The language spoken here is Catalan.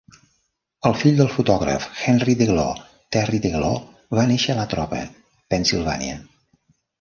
El fill del fotògraf Henry Deglau, Terry Deglau va néixer a Latrobe, Pennsylvania.